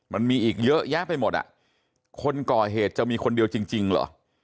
มันมีอีกเยอะแยะไปหมดอ่ะคนก่อเหตุจะมีคนเดียวจริงเหรอ